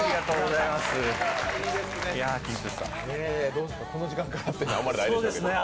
どうですか、この時間からというのはあまりないでしょうけど。